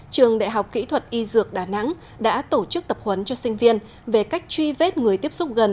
trường đại học kỹ thuật y dược đà nẵng đã tổ chức tập huấn cho sinh viên về cách truy vết người tiếp xúc gần